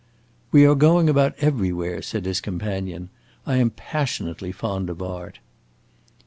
"We are going about everywhere," said his companion. "I am passionately fond of art!"